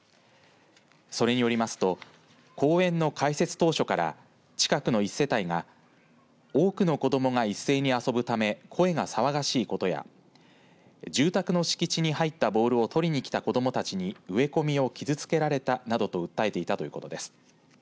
それによりますと公園の開設当初から近くの１世帯が多くの子どもが一斉に遊ぶため声が騒がしいことや住宅の敷地に入ったボールを取りに来た子どもたちに植え込みを傷つけられたなどと訴えていたということです。